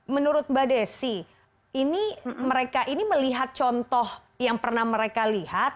menurut mbak desi ini mereka ini melihat contoh yang pernah mereka lihat